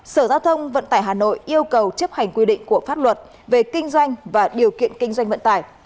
sở giao thông vận tải hà nội yêu cầu chấp hành quy định của pháp luật về kinh doanh và điều kiện kinh doanh vận tải